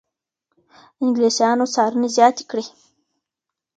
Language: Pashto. انګلیسانو څارنې زیاتې کړې.